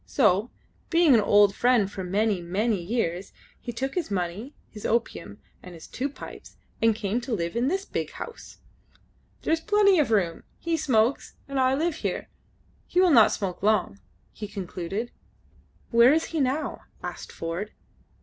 So, being an old friend for many, many years, he took his money, his opium, and two pipes, and came to live in this big house. "There is plenty of room. He smokes, and I live here. He will not smoke long," he concluded. "Where is he now?" asked Ford.